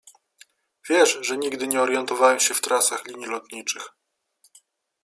Wiesz, że nigdy nie orientowałem się w trasach linii lotniczych.